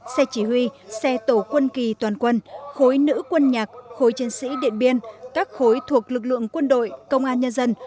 xe chỉ huy xe tổ quân kỳ toàn quân khối nữ quân nhạc khối chân sĩ điện biên các khối thuộc lực lượng quân đội công an nhân dân